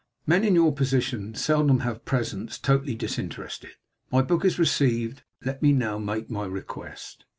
Men in your station seldom have presents totally disinterested; my book is received, let me now make my request.